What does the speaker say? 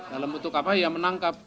dalam bentuk apa ya menangkap